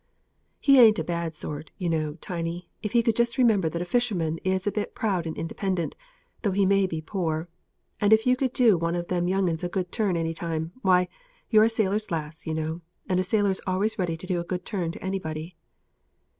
"He ain't a bad sort, you know, Tiny, if he could just remember that a fisherman is a bit proud and independent, though he may be poor; and if you could do one of them young 'uns a good turn any time, why, you're a sailor's lass, yer know, and a sailor is always ready to do a good turn to anybody."